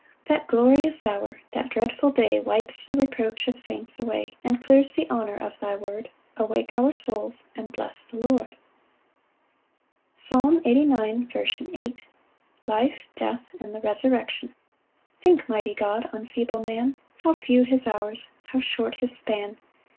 4 That glorious hour, that dreadful day Wipes the reproach of saints away, And clears the honour of thy word; Awake our souls, and bless the Lord. Psalm 89:8. 47 &c. Last Part. As the 113th Psalm. Life, death, and the resurrection. 1 Think, mighty God, on feeble man, How few his hours, how short his span!